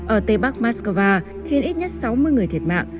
ở tây bắc moscow khiến ít nhất sáu mươi người thiệt mạng